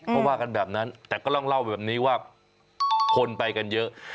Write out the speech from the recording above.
เขาว่ากันแบบนั้นแต่ก็ต้องเล่าแบบนี้ว่าคนไปกันเยอะ